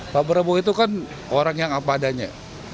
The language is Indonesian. pak prabowo itu kan orang yang apa adanya